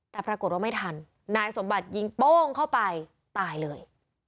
แต่ปรากฏว่าไม่ทันนายสมบัติยิงโป้งเข้าไปตายเลย